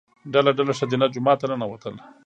ډله ډله ښځینه جومات ته ننوتل.